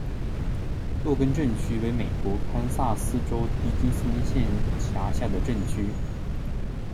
洛根镇区为美国堪萨斯州迪金森县辖下的镇区。